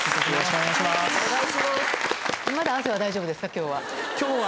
今日は。